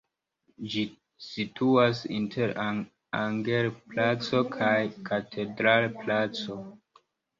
Ĝi situas inter Anger-placo kaj Katedral-placo.